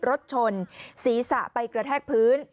รถชนศีรษะไปกระแทกพื้น